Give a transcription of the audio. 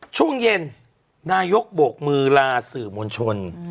ช่วงเย็นนายกโบกมือลาสื่อมวลชน